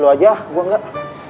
lo aja gue enggak